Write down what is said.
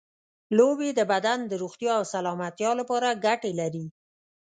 لوبې د بدن د روغتیا او سلامتیا لپاره ګټې لري.